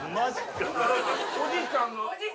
おじいちゃん